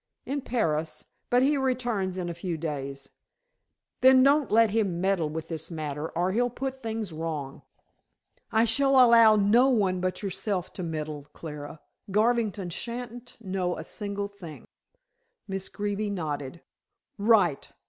"In Paris, but he returns in a few days." "Then don't let him meddle with this matter, or he'll put things wrong." "I shall allow no one but yourself to meddle, Clara, Garvington shan't know a single thing." Miss Greeby nodded. "Right.